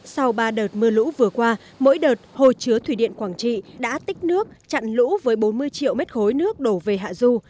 sau ba đợt mưa lũ vừa qua mỗi đợt hồ chứa thủy điện quảng trị đã tích nước chặn lũ với bốn mươi triệu mét khối nước đổ về hạ du